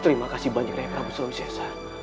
terima kasih banyak rai prabu sulawesi